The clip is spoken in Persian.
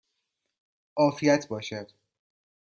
عافیت باشد!